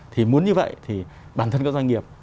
thì muốn như vậy thì bản thân các doanh nghiệp